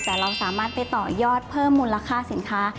แต่เราสามารถไปต่อยอดเพิ่มมูลค่าสินค้า